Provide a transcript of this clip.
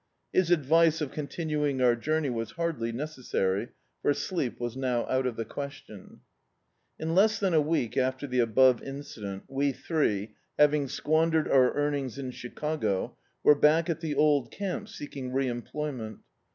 His advice of continuing our journey was hardly necessary, for sleep was now out of the question. In less than a week after the above incident we three, having squandered our earnings in Chicago, were back at the old camp seeking re emplco^ment.